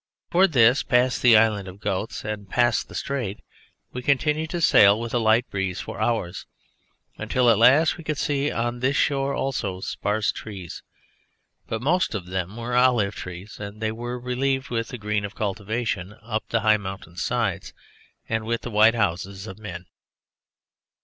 Towards this, past the Island of Goats, and past the Strait, we continued to sail with a light breeze for hours, until at last we could see on this shore also sparse trees; but most of them were olive trees, and they were relieved with the green of cultivation up the high mountain sides and with the white houses of men.